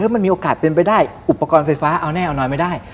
มันมีโอกาสเป็นไปได้อุปกรณ์ไฟฟ้าเอาแน่เอานอนไม่ได้